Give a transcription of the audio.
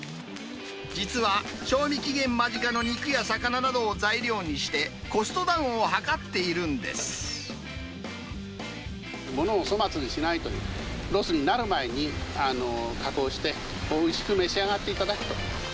実は賞味期限間近の肉や魚などを材料にして、ものを粗末にしないという、ロスになる前に加工して、おいしく召し上がっていただくと。